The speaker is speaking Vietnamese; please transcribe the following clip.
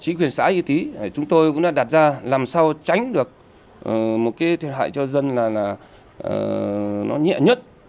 những quyền xã y tý chúng tôi cũng đã đặt ra làm sao tránh được một cái thiệt hại cho dân là nó nhẹ nhất